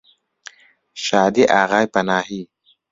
شادی ئاغای پەناهی